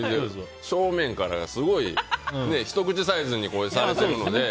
正面からすごいひと口サイズにされてるので。